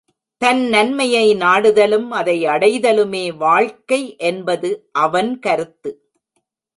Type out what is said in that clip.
தன் நன்மையை நாடுதலும், அதை அடைதலுமே வாழ்க்கை என்பது அவன் கருத்து.